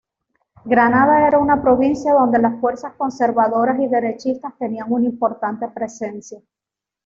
Granada era una provincia donde las fuerzas conservadoras y derechistas tenían una importante presencia.